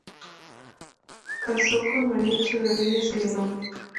Casó con María Echeverría Zeledón.